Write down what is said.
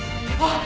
ああ！